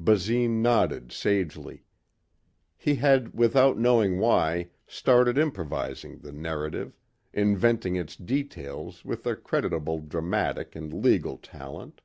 Basine nodded sagely. He had without knowing why started improvising the narrative, inventing its details with a creditable dramatic and legal talent.